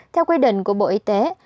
theo quy định của bộ y tế